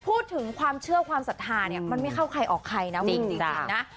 พูดถึงความเชื่อความศรัทธาเนี่ยมันไม่เข้าใครออกใครนะจริงนะ